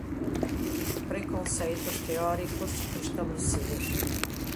preconceitos teóricos estabelecidos